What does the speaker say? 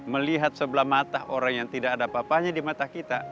melihat sebelah mata orang yang tidak ada apa apanya di mata kita